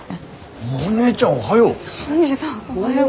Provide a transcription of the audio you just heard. モネちゃんおはよう。